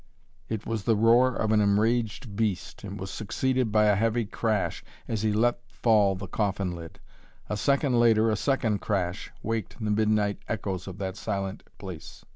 It was the roar of an enraged beast and was succeeded by a heavy crash, as he let fall the coffin lid. A second later a second crash waked the midnight echoes of that silent place.